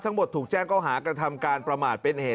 ทั้งหมดถูกแจ้งข้อหาการทำการประมาทเป็นเหตุ